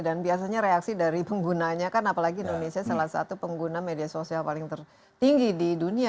dan biasanya reaksi dari penggunanya kan apalagi indonesia salah satu pengguna media sosial paling tertinggi di dunia